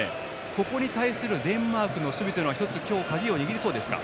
ここに対するデンマークの守備は１つ、今日鍵を握りそうですか？